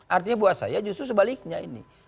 artinya buat saya justru sebaliknya ini